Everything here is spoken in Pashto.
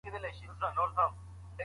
مثبتي خاطرې مو د ژوند ملګري دي.